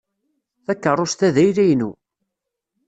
Takeṛṛust-a d ayla-inu.